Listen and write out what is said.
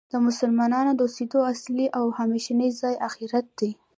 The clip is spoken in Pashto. د مسلمانانو د اوسیدو اصلی او همیشنی ځای آخرت دی .